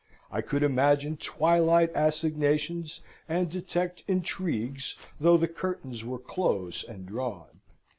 I could imagine twilight assignations, and detect intrigues, though the curtains were close and drawn.